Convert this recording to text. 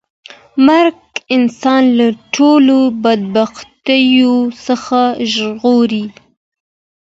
مرګ انسان له ټولو بدبختیو څخه ژغوري.